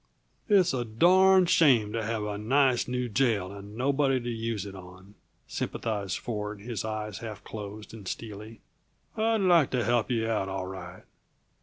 "It is a darned shame, to have a nice, new jail and nobody to use it on," sympathized Ford, his eyes half closed and steely. "I'd like to help you out, all right.